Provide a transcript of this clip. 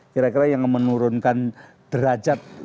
kira kira yang menurunkan derajat